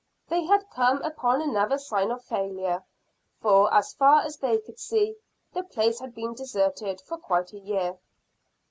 They had come upon another sign of failure, for, as far as they could see, the place had been deserted for quite a year.